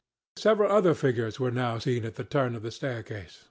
Several other figures were now seen at the turn of the staircase.